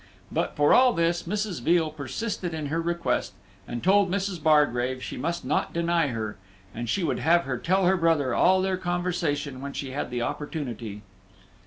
But, for all this, Mrs. Veal persisted in her request, and told Mrs. Bargrave she must not deny her. And she would have her tell her brother all their conversation when she had the opportunity.